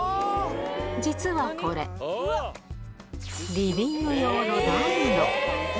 実はこれ、リビング用の暖炉。